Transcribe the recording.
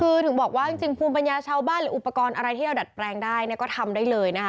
คือถึงบอกว่าจริงภูมิปัญญาชาวบ้านหรืออุปกรณ์อะไรที่เราดัดแปลงได้เนี่ยก็ทำได้เลยนะคะ